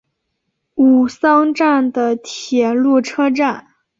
吾桑站的铁路车站。